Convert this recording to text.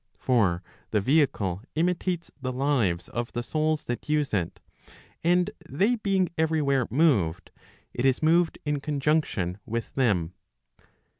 For the vehicle '3 imitates the lives of the souls that use it, and they being every where moved, it is moved in conjunction with them.